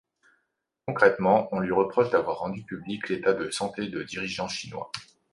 Concrètement, on lui reproche d'avoir rendu public l'état de santé de dirigeants chinois.